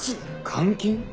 監禁！？